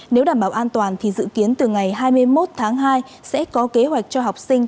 nếu đảm bảo an toàn thì dự kiến từ ngày hai mươi một tháng hai sẽ có kế hoạch cho học sinh